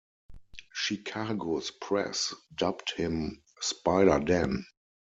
Chicago's press dubbed him "SpiderDan".